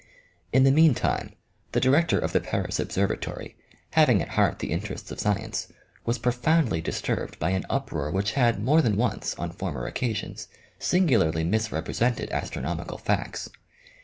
In the mean time the director of the Paris observatory having at heart the interests of science, was profoundly disturbed by an uproar which had more than once, on former occasions, singularly misrepresented astronomical facts.